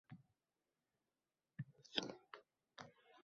Qor to`xtab, oftob mo`ralaganda ko`chaga chiqaman va haligi uy tomon odimlayman